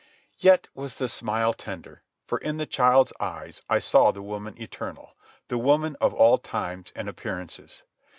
Yet was the smile tender, for in the child's eyes I saw the woman eternal, the woman of all times and appearances.